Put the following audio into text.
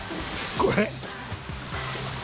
これ？